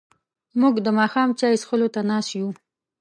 موږ د ماښام چای څښلو ته ناست یو.